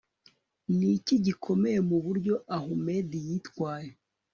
ni iki gikomeye mu buryo ahumed yitwaye